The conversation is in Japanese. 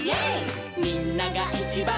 「みんながいちばん」